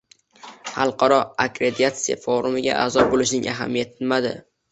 Xalqaro akkreditatsiya forumiga a’zo bo‘lishning ahamiyati nimada?